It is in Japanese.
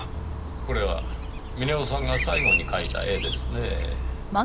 これは峰夫さんが最後に描いた絵ですねぇ。